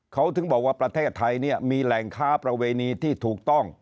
เขาถึงบอกว่าประเทศไทยเนี่ยมีแหล่งค้าประเวณีที่ถูกต้อง